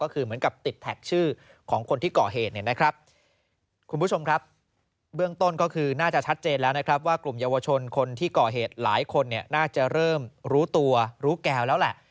คุณผู้ชมครับเบื้องต้นก็คือน่าจะชัดเจนแล้วนะครับว่ากลุ่มเยาวชนคนที่ก่อเหตุหลายคนน่าจะเริ่มรู้ตัวรู้แก่วแล้วแหละ